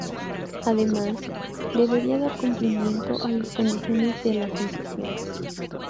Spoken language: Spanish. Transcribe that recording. Además, debería dar cumplimiento a las condiciones de la concesión.